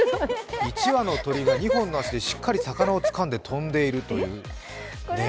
１羽の鳥が２本の足でしっかり魚をつかんで飛んでいるという。